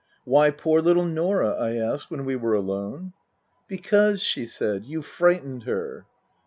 " Why poor little Norah ?" I asked when we were alone. " Because," she said, " you frightened her."